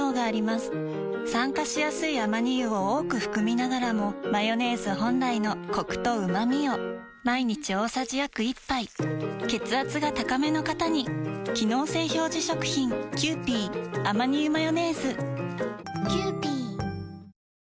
酸化しやすいアマニ油を多く含みながらもマヨネーズ本来のコクとうまみを毎日大さじ約１杯血圧が高めの方に機能性表示食品・ただいま。